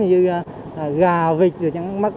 như gà vịt